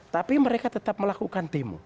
tapi mereka tetap melakukan tim